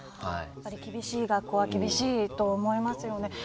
厳しい学校は厳しいと思いますよね。